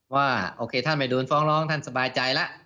ว่าโอเคท่านไม่โดนฟ้องร้องท่านสบายใจแล้ว